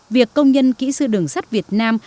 việc công nhân kỹ sư đường sắt việt nam